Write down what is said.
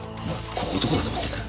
ここをどこだと思ってんだ。